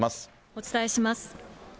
お伝えします。